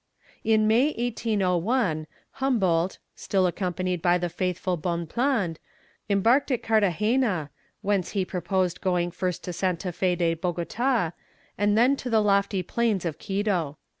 In May, 1801, Humboldt, still accompanied by the faithful Bonpland, embarked at Cartagena, whence he proposed going first to Santa Fé de Bogota, and then to the lofty plains of Quito.